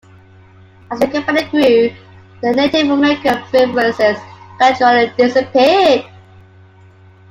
As the company grew, the Native American references gradually disappeared.